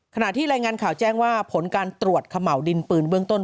ขณะที่รายงานข่าวแจ้งว่าผลการตรวจเขม่าวดินปืนเบื้องต้น